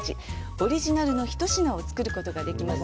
オリジナルの一品を作ることができます。